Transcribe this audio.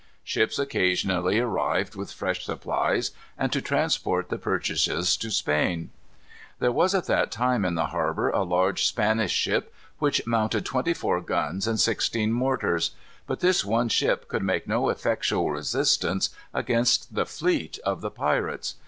Ships occasionally arrived with fresh supplies, and to transport the purchases to Spain. There was at that time in the harbor a large Spanish ship, which mounted twenty four guns and sixteen mortars. But this one ship could make no effectual resistance against the fleet of the pirates.